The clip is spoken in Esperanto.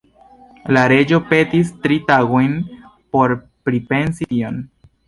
La reĝo petis tri tagojn por pripensi tion.